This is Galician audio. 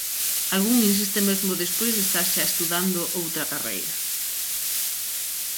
Algún insiste mesmo despois de estar xa estudando outra carreira.